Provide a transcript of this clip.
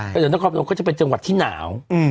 อย่างนครพนมก็จะเป็นจังหวัดที่หนาว